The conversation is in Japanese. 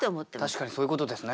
確かにそういうことですね。